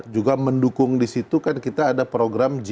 juga mendukung di situ kan kita ada program g dua puluh